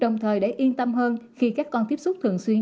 đồng thời để yên tâm hơn khi các con tiếp xúc thường xuyên